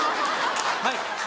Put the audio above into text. はい